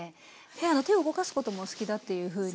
手を動かすこともお好きだっていうふうに。